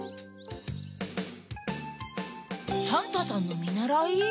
サンタさんのみならい？